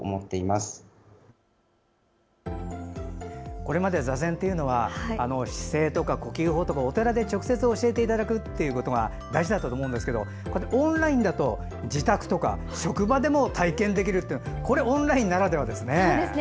ここまで座禅というのは姿勢とか、呼吸法とかお寺で直接教えていただくことが大事だったと思うんですがオンラインだと自宅だと職場でも体験できるのはこれオンラインならではですね。